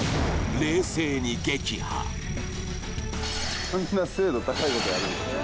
冷静に撃破こんな精度高いことやるんですね